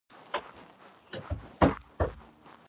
د موادو انجنیری د موادو استعمال ته وده ورکوي.